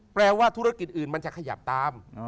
แปลว่าธุรกิจอื่นมันจะขยับตาม